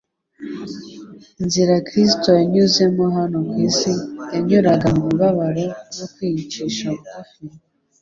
Inzira Kristo yanyuzemo hano ku isi yanyuraga mu mibabaro no kwicisha bugufi,